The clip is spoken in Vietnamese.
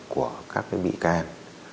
của các bị can